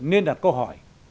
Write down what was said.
nên đặt câu hỏi